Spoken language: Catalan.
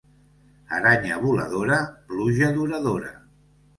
Aranya voladora, pluja duradora.